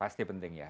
pasti penting ya